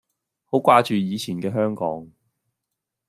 好掛住以前嘅香港